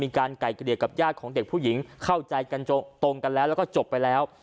มีการไก่เกรียกกับญาติของเด็กผู้หญิงเข้าใจตรงกันแล้วก็จบไปแล้ว